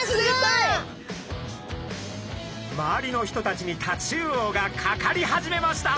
周りの人たちにタチウオがかかり始めました。